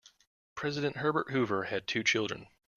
President Herbert Hoover had two children.